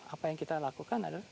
apa yang kita lakukan adalah